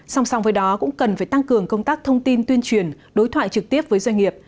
song song với đó cũng cần phải tăng cường công tác thông tin tuyên truyền đối thoại trực tiếp với doanh nghiệp